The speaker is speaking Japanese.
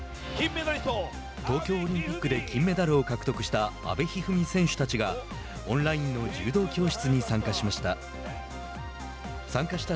東京オリンピックで金メダルを獲得した阿部一二三選手たちがオンラインの柔道教室に参加しました。